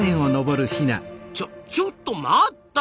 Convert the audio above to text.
ちょちょっと待った！